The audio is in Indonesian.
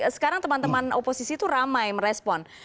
sekarang teman teman oposisi itu ramai merespon